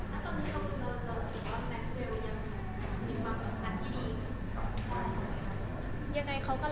มีบางอย่างนั้นที่เขาไม่รัก